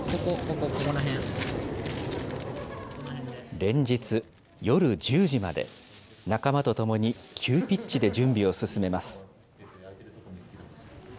連日、夜１０時まで、仲間と共に急ピッチで準備を進めます。